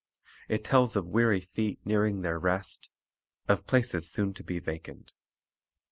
It tells of weary feet nearing their rest, of places soon to be vacant.